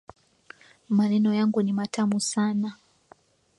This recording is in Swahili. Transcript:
Maneno yangu ni matamu sana.